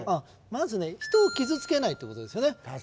まずね人を傷つけないってことですよね